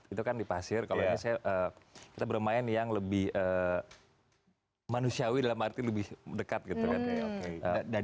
itu kan di pasir kalau ini kita bermain yang lebih manusiawi dalam arti lebih dekat gitu kan